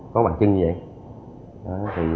có bàn chân như vậy